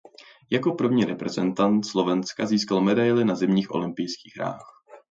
Jako první reprezentant Slovenska získal medaili na zimních olympijských hrách.